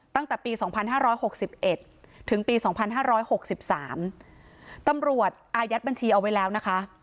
ตั้งแต่ปี๒๕๖๑ถึงปี๒๕๖๓ตำรวจอายัดบัญชีเอาไว้แล้วนะคะ